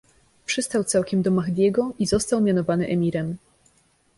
Przystał całkiem do Mahdiego i został mianowany emirem.